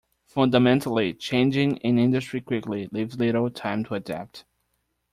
Fundamentally changing an industry quickly, leaves little time to adapt.